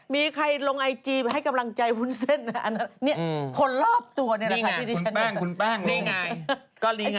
มีใครลงไอจีให้กำลังใจพุนเส้นคนรอบตัวเนี่ยแหละค่ะที่ดิฉันเห็น